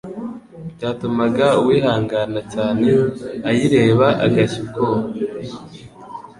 byatumaga uwihangana cyane ayireba agashya ubwoba.